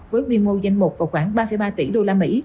với quy mô danh một vào khoảng ba ba tỷ usd